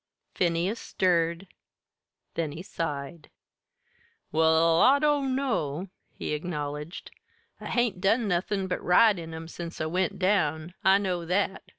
Phineas stirred; then he sighed. "Well, I dunno," he acknowledged. "I hain't done nothin' but ride in 'em since I went down I know that.